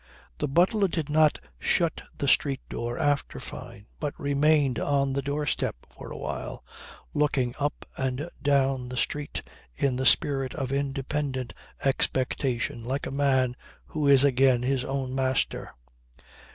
The butler did not shut the street door after Fyne, but remained on the doorstep for a while, looking up and down the street in the spirit of independent expectation like a man who is again his own master.